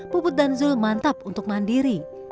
puput dan zul mantap untuk mandiri